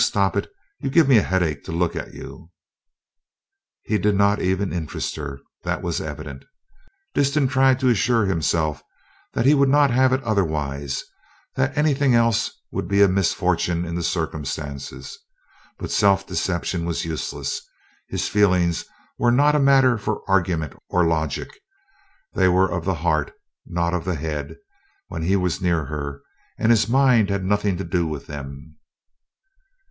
Stop it! You give me a headache to look at you." He did not even interest her, that was evident. Disston tried to assure himself that he would not have it otherwise, that anything else would be a misfortune in the circumstances; but self deception was useless his feelings were not a matter for argument or logic, they were of the heart, not the head, when he was near her, and his mind had nothing to do with them.